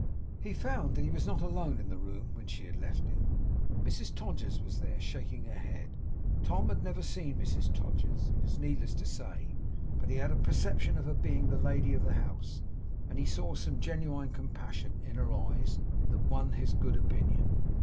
He found that he was not alone in the room when she had left it. Mrs Todgers was there, shaking her head. Tom had never seen Mrs Todgers, it is needless to say, but he had a perception of her being the lady of the house; and he saw some genuine compassion in her eyes, that won his good opinion.